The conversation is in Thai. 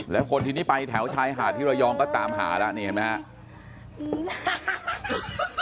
แล้วคนที่นี่ไปแถวชายหาดที่ระยองก็ตามหาแล้วนี่เห็นไหมครับ